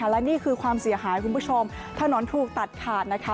และนี่คือความเสียหายคุณผู้ชมถนนถูกตัดขาดนะคะ